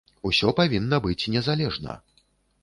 Усё павінна быць незалежна.